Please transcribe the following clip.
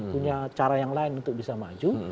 punya cara yang lain untuk bisa maju